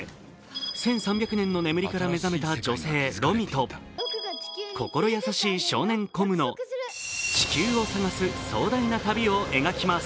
１３００年の眠りから目覚めた女性・ロミと、心優しい少年・コムの地球を探す壮大な旅を描きます。